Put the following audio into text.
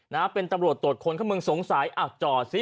นะเป็นตำรวจตรวจคนเขามึงสงสายอาจจ่อสิ